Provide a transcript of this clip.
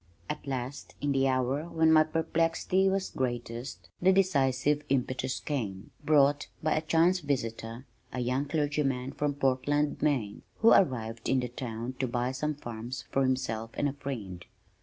At last in the hour when my perplexity was greatest the decisive impetus came, brought by a chance visitor, a young clergyman from Portland, Maine, who arrived in the town to buy some farms for himself and a friend.